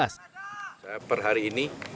saya per hari ini